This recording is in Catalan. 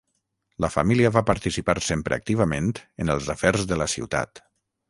La família va participar sempre activament en els afers de la ciutat.